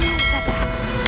sudah aku sakit sekali lelah